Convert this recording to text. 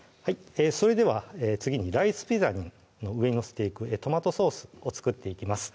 それでは次に「ライスピザ」の上に載せていくトマトソースを作っていきます